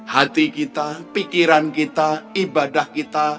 hati kita pikiran kita ibadah kita